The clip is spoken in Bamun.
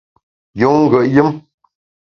Yun ngùet yùm !